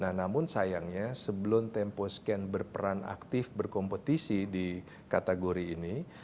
nah namun sayangnya sebelum tempo scan berperan aktif berkompetisi di kategori ini